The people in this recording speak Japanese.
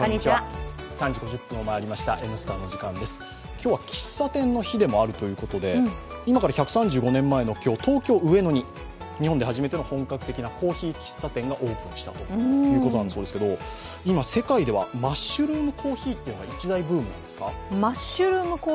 今日は喫茶店の日でもあるということで、今から１３５年前の今日、東京・上野に日本で初めての本格的なコーヒー喫茶店がオープンしたということなんだそうですが今、世界ではマッシュルームコーヒーが一大ブームなんですか。